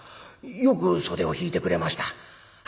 よく袖を引いてくれました。